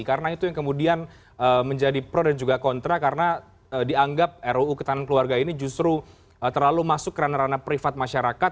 karena itu yang kemudian menjadi pro dan juga kontra karena dianggap ruu ketahanan keluarga ini justru terlalu masuk kerana rana privat masyarakat